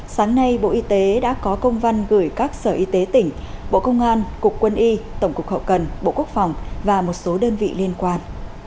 sáng nay bộ y tế đã có công văn gửi các sở y tế tỉnh bộ công an cục quân y tổng cục hậu cần bộ quốc phòng và một số đơn vị liên quan